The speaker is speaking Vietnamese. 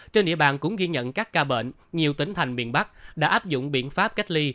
trên địa bàn cũng ghi nhận các ca bệnh nhiều tỉnh thành miền bắc đã áp dụng biện pháp cách ly